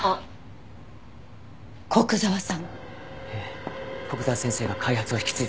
古久沢先生が開発を引き継いだ蓄電池。